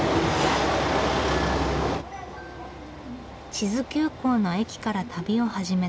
智頭急行の駅から旅を始めた六角さん。